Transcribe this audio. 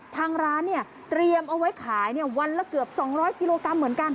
ทางร้านเนี่ยเตรียมเอาไว้ขายวันละเกือบ๒๐๐กิโลกรัมเหมือนกัน